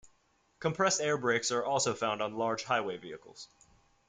Compressed air brakes are also found on large highway vehicles.